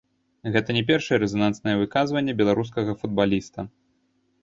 Гэта не першае рэзананснае выказванне беларускага футбаліста.